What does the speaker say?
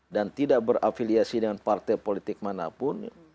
dan tidak berafiliasi dengan partai politik manapun